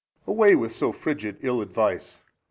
A. Away with so frigid ill advice!